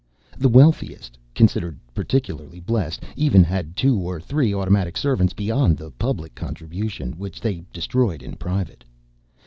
The wealthiest considered particularly blessed even had two or three automatic servants beyond the public contribution, which they destroyed in private.